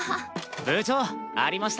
部長ありました。